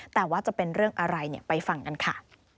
แต่ว่าจะเป็นเรื่องอะไรไปฟังกันค่ะ